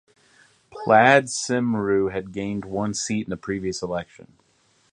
Plaid Cymru had gained one seat in the previous election.